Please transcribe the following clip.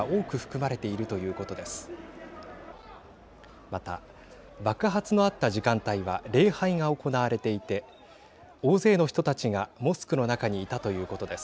また、爆発のあった時間帯は礼拝が行われていて大勢の人たちがモスクの中にいたということです。